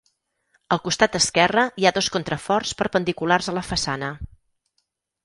Al costat esquerre hi ha dos contraforts perpendiculars a la façana.